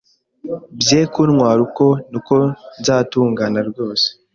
bye kuntwara uko ni ko nzatungana rwose,